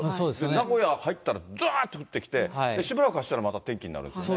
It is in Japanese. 名古屋入ったらどーっと降ってきて、しばらく走ったらまた天気になるっていうね。